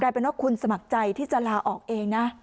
เป็นว่าคุณสมัครใจที่จะลาออกเองนะ